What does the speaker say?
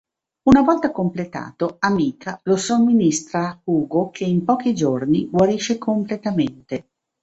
Una volta completato, Amica lo somministra a Hugo che in pochi giorni guarisce completamente.